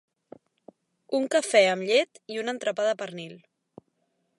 Un café amb llet i un entrepà de pernil.